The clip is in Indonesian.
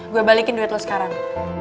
gue balikin duit lo sekarang